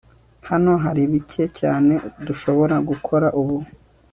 hano hari bike cyane dushobora gukora ubu